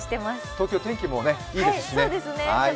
東京、天気もいいですしね。